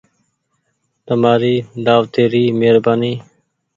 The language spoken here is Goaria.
تمآري دآوتي ري مهربآني ۔